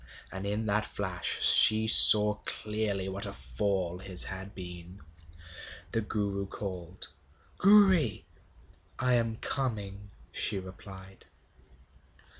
And in that flash she saw clearly what a fall his had been. The Guru called: 'Gouri.' 'I am coming,' she replied.